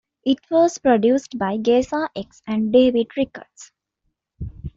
It was produced by Geza X and David Ricketts.